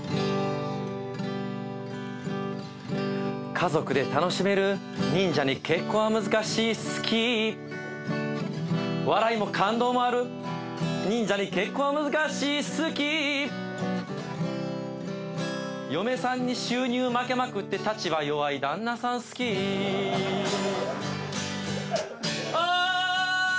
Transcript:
「家族で楽しめる『忍者に結婚は難しい』好き」「笑いも感動もある『忍者に結婚は難しい』好き」「嫁さんに収入負けまくって立場弱い旦那さん好き」「お！」